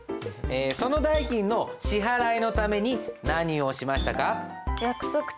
その代金の支払いのために何をしましたか？